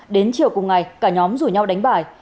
đến chiều cùng ngày cả nhóm rủ nhau đánh bài